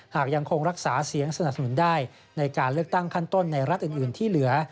หากยังคงรักษาเสียงสนับสนุนได้ในการเลือกตั้งขั้นต้นในรัฐอื่นที่เหลือ